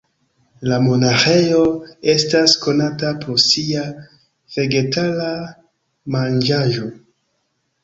La monaĥejo estas konata pro sia vegetara manĝaĵo.